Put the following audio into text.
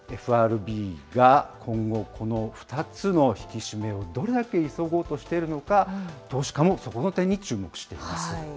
ＦＲＢが今後、この２つの引き締めをどれだけ急ごうとしてるのか、投資家もその点に注目しています。